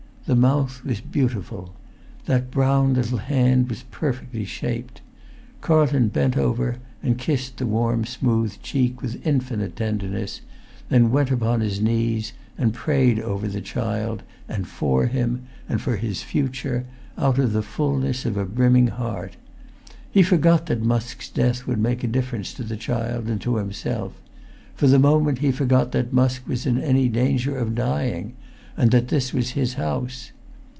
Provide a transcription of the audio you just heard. The mouth was beautiful. That brown little hand was perfectly shaped. Carlton bent over, and kissed the warm smooth cheek with infinite tenderness; then went upon his knees, and prayed over the child, and for him, and for his future, out of the fulness of a brimming heart. He forgot that Musk's death would make a difference to the child and to himself; for the moment he forgot that Musk was in any danger of dying, and that this was his house.